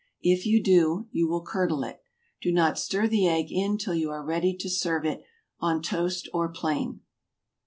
If you do you will curdle it. Do not stir the egg in till you are ready to serve it, on toast or plain.